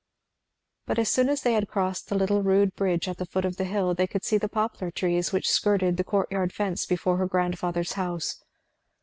But as soon as they had crossed the little rude bridge at the foot of the hill they could see the poplar trees which skirted the courtyard fence before her grandfather's house.